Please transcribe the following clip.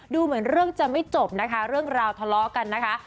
ดูเหมือนเรื่องจะไม่จบนะคะเรื่องราวทะเลาะกันนะคะ